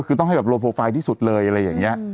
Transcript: คือต้องให้โลโพไฟล์ที่สุดเลย